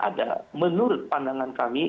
ada menurut pandangan kami